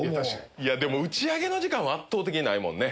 いやでも打ち上げの時間は圧倒的にないもんね。